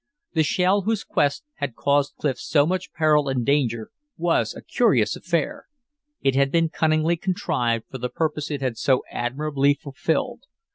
The shell, whose quest had caused Clif so much peril and danger, was a curious affair. It had been cunningly contrived for the purpose it had so admirably fulfilled.